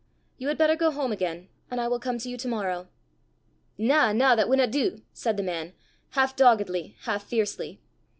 You had better go home again, and I will come to you to morrow." "Na, na, that winna do!" said the man, half doggedly, half fiercely.